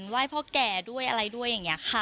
ไหว้พ่อแก่ด้วยอะไรด้วยอย่างนี้ค่ะ